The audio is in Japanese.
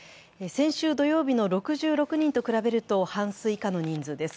先週土曜日の６６人と比べると半数以下の人数です。